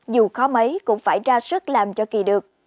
dù khó mấy cũng phải ra sức làm cho kỳ được